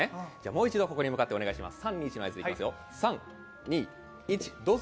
もう一度ここに向かってお願いします。